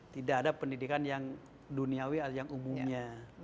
tidak ada pendidikan yang duniawi yang umumnya